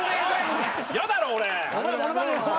嫌だろ俺。